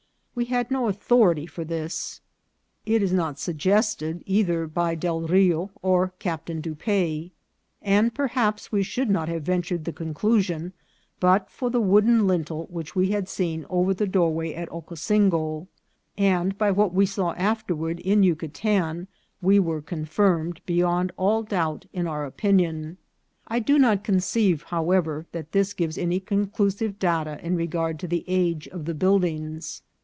We had no authority for this. It is not suggested ei CONSTRUCTION OF THE PALACE. 313 ther by Del Rio or Captain Dupaix, and perhaps we should not have ventured the conclusion but for the wooden lintel which we had seen over the doorway at Ocosingo ; and by what we saw afterward in Yucatan, we were confirmed, beyond all doubt, in our opinion. I do not conceive, however, that this gives any conclu sive data in regard to the age of the birlJiiigs.